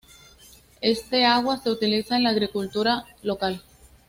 Este agua se utiliza en la agricultura local.